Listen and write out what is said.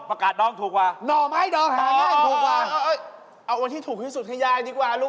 พี่เอาเด็กดองให้ยายกิน